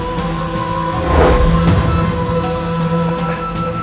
aku tak mau baju